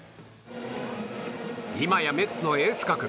今やメッツのエース格。